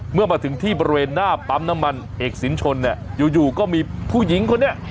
เมื่อมาถึงที่บริเวณหน้าปั๊มน้ำมันเอกสินชนเนี่ยอยู่ก็มีผู้หญิงคนนี้